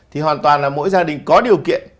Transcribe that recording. thì hoàn toàn là mỗi gia đình có điều kiện